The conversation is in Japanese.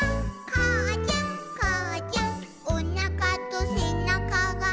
「かあちゃんかあちゃん」「おなかとせなかが」